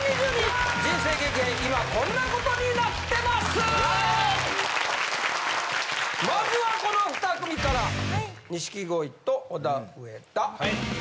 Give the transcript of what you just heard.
まずはこの２組から。